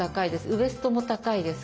ウエストも高いです。